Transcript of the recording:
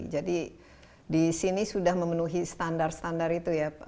jadi di sini sudah memenuhi standar standar itu ya